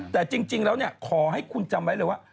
แต่จริงแล้วขอให้คุณจำไว้เลยว่า